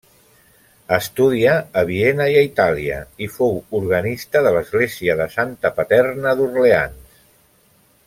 Estudia a Viena i a Itàlia i fou organista de l'església de Santa Paterna, d'Orleans.